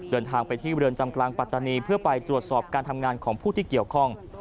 เดินทางไปที่เรือนจำกลางปัตตานีเพื่อไปตรวจสอบการทำงานของผู้ที่เกี่ยวข้อง